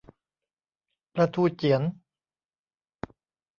ปลาทูเจี๋ยน